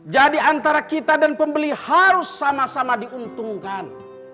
jadi antara kita dan pembeli harus sama sama diuntungkan